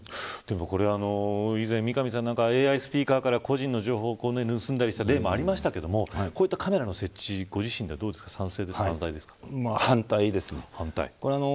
以前、三上さんＡＩスピーカから個人の情報を盗んだりした例もありましたがこういったカメラの設置ご自身では賛成ですか反対です。